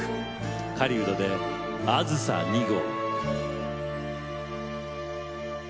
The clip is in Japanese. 狩人で「あずさ２号」。